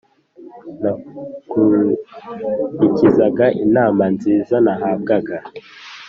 nakurikizaga inama nziza nahabwaga